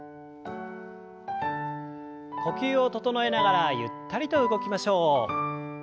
呼吸を整えながらゆったりと動きましょう。